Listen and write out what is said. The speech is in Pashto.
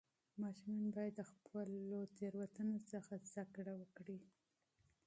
ماشومان باید د خپلو غلطیو څخه زده کړه وکړي.